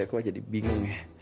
aku jadi bingung ya